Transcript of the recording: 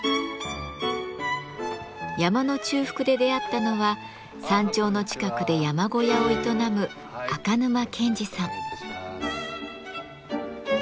山の中腹で出会ったのは山頂の近くで山小屋を営む赤沼健至さん。